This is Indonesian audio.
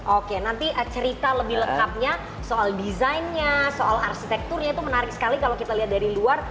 oke nanti cerita lebih lengkapnya soal desainnya soal arsitekturnya itu menarik sekali kalau kita lihat dari luar